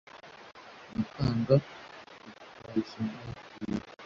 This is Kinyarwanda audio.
nyakanga ku kabusunzu niho atuye